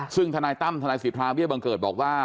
ซึ่งทนายตั้มทนายสิทธาเบี้ยบังเกิดบอกว่า